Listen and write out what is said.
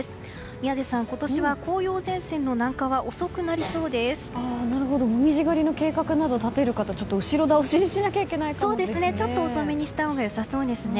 宮司さん今年は紅葉前線の南下はなるほど、紅葉狩りの計画など立てる方はちょっと後ろ倒しにしなきゃちょっと遅めにしたほうが良さそうですね。